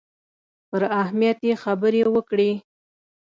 پر اهمیت یې خبرې وکړې.